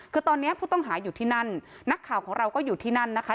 คือตอนนี้ผู้ต้องหาอยู่ที่นั่นนักข่าวของเราก็อยู่ที่นั่นนะคะ